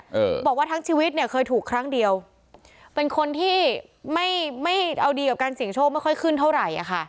เออบอกว่าทั้งชีวิตเนี่ยเคยถูกครั้งเดียวเป็นคนที่ไม่ไม่เอาดีกับการเสี่ยงโชคไม่ค่อยขึ้นเท่าไหร่อ่ะค่ะ